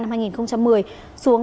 năm hai nghìn một mươi xuống